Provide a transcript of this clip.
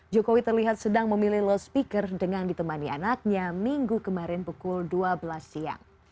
jokowi terlihat sedang memilih low speaker dengan ditemani anaknya minggu kemarin pukul dua belas siang